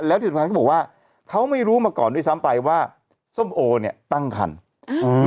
แล้วที่สำคัญเขาบอกว่าเขาไม่รู้มาก่อนด้วยซ้ำไปว่าส้มโอเนี้ยตั้งคันอืม